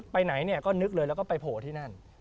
ไปไหนก็นึกเลยแล้วก็ไปโผที่นั่น